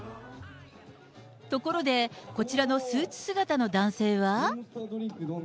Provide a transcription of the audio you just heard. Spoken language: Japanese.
ところで、こちらのスーツ姿の男性は？